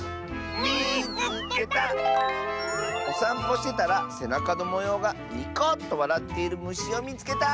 「おさんぽしてたらせなかのもようがニコッとわらっているむしをみつけた！」。